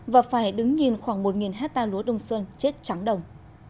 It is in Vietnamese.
và phải đứng nhìn khoảng một hectare lúa đông xuân chết trắng đồng